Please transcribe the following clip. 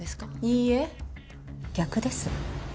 いいえ逆です。